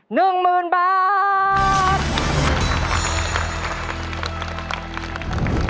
หนึ่งหมื่นบาท